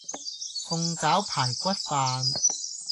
鳳爪排骨飯